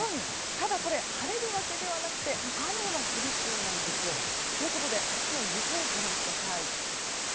ただ、晴れるわけではなくて雨は降りそうなんですよ。ということで明日の予報をご覧ください。